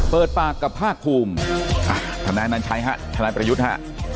เปิดปากกับผ้าคูมอ่าธนายนันชัยฮะธนายประยุทธศภะ